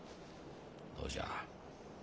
どうじゃ？